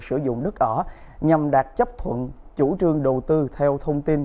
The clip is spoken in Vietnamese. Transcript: sử dụng đất ở nhằm đạt chấp thuận chủ trương đầu tư theo thông tin